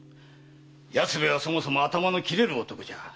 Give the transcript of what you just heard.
安兵衛はそもそも頭の切れる男じゃ。